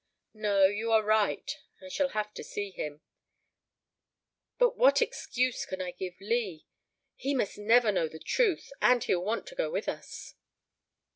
"No, you are right. I shall have to see him but what excuse can I give Lee? He must never know the truth, and he'll want to go with us."